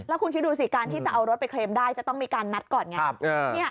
แล้วคุณคิดดูสิการที่จะเอารถไปเคลมได้จะต้องมีการนัดก่อนไง